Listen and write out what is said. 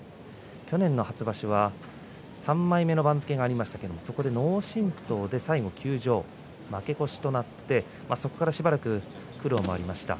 去年の初場所は３枚目の番付がありましたが脳震とうで休場負け越しとなってそこから、しばらく苦労もありました。